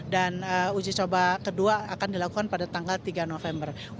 dan uji coba kedua akan dilaksanakan pada hari yang seterusnya